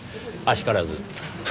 あしからず。